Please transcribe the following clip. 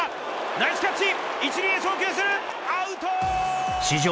ナイスキャッチ１塁へ送球するアウトー！